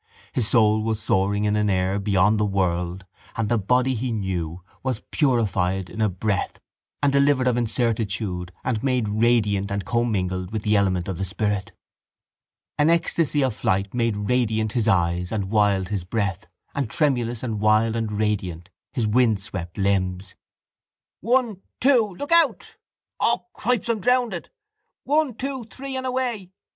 His soul was soaring in an air beyond the world and the body he knew was purified in a breath and delivered of incertitude and made radiant and commingled with the element of the spirit. An ecstasy of flight made radiant his eyes and wild his breath and tremulous and wild and radiant his windswept limbs. —One! Two!... Look out! —O, Cripes, I'm drownded! —One! Two! Three and away!